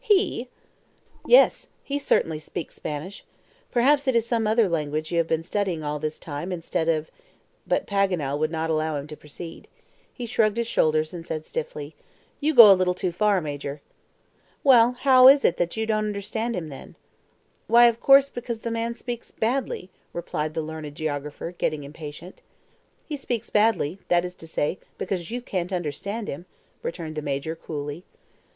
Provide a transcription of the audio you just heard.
"He!" "Yes, he certainly speaks Spanish. Perhaps it is some other language you have been studying all this time instead of " But Paganel would not allow him to proceed. He shrugged his shoulders, and said stiffly, "You go a little too far, Major." "Well, how is it that you don't understand him then?" "Why, of course, because the man speaks badly," replied the learned geographer, getting impatient. "He speaks badly; that is to say, because you can't understand him," returned the Major coolly.